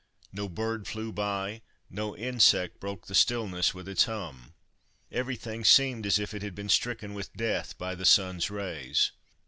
No bird flew by, no insect broke the stillness with its hum. Everything seemed as if it had been stricken with death by the sun's rays.